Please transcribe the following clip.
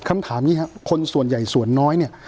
คำถามนี้ครับคนส่วนใหญ่ส่วนน้อยเนี่ย